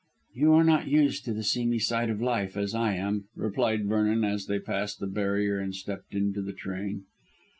"You are not used to the seamy side of life as I am," replied Vernon as they passed the barrier and stepped into the train.